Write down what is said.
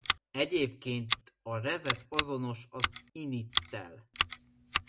Egyébként a reset azonos az init-tel.